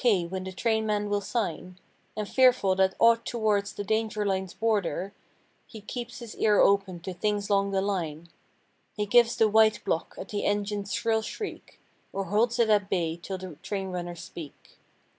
k. when the trainmen will sign; And fearful that aught towards the danger lines border He keeps his ear open to things long the line. He gives the "white block" at the engine's shrill shriek. Or holds it at bay 'till the train runners speak.